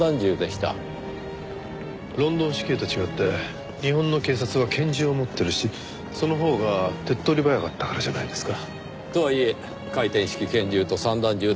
ロンドン市警と違って日本の警察は拳銃を持ってるしそのほうが手っ取り早かったからじゃないですか？とはいえ回転式拳銃と散弾銃では随分違います。